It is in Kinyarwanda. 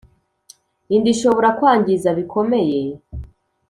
Inda ishobora kwangiza bikomeye